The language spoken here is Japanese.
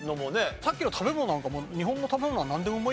さっきの食べ物なんかもう日本の食べ物はなんでもうまい。